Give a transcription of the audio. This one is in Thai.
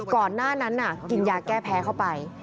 ก่อนหน้านั้นกินยาแก้แพ้เข้าไป